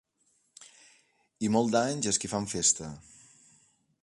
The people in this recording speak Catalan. I molts d'anys as qui fan festa